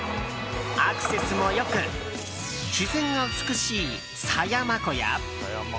アクセスも良く自然が美しい狭山湖や。